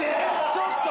ちょっと！